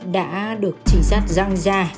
đã được trinh sát răng ra